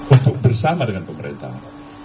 untuk bersama dengan pemerintah